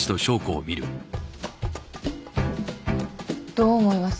どう思います？